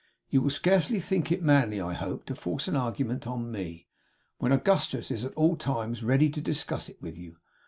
You will scarcely think it manly, I hope, to force an argument on me, when Augustus is at all times ready to discuss it with you.